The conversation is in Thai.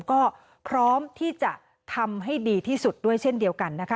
ก็พร้อมที่จะทำให้ดีที่สุดด้วยเช่นเดียวกันนะคะ